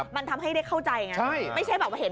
มันทำให้ได้เข้าใจอย่างเงี้ย